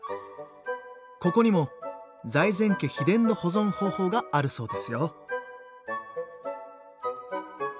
ここにも財前家秘伝の保存方法があるそうですよ。